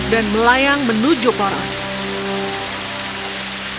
dan melayang menuju poros